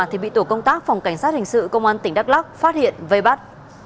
thì bị tổ công tác phòng cảnh sát hình sự công an tỉnh đắk lắc phát hiện vây bắt